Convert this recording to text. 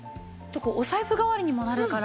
お財布代わりにもなるから。